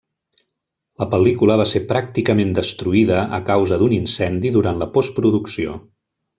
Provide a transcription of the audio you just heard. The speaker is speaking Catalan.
La pel·lícula va ser pràcticament destruïda a causa d'un incendi durant la postproducció.